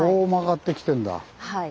はい。